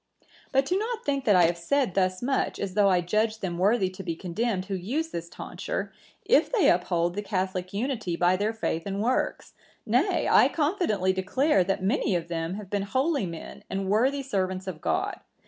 "But do not think that I have said thus much, as though I judged them worthy to be condemned who use this tonsure, if they uphold the catholic unity by their faith and works; nay, I confidently declare, that many of them have been holy men and worthy servants of God.